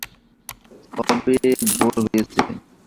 সবে ভোর হয়েছে।